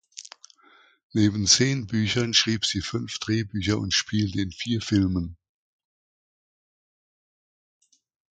Neben zehn Büchern schrieb sie fünf Drehbücher und spielte in vier Filmen.